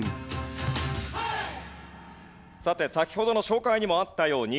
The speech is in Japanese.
さて先ほどの紹介にもあったように。